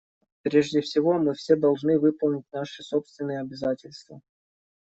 Прежде всего, мы все должны выполнить наши собственные обязательства.